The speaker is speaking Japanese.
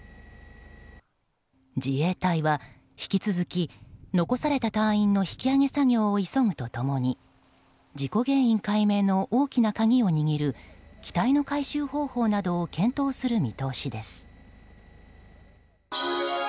自衛隊は引き続き残された隊員の引き揚げ作業を急ぐと共に事故原因解明の大きな鍵を握る機体の回収方法などを検討する見通しです。